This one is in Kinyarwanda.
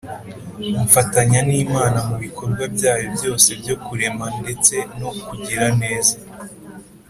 ,. Mfatanya n’Imana mu bikorwa byayo byose byo kurema ndetse no kugira neza.